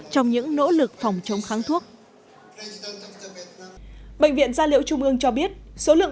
trong những nỗ lực phòng chống kháng thuốc bệnh viện gia liễu trung ương cho biết số lượng